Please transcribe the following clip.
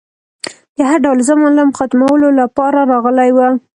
د هر ډول ظلم ختمولو لپاره راغلی و